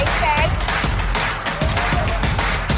อยู่ในนั้น